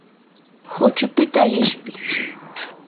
huchupita qishpi.